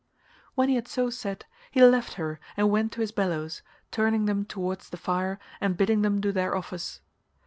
When he had so said he left her and went to his bellows, turning them towards the fire and bidding them do their office.